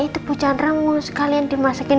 itu bu chandra mau sekalian dimasakin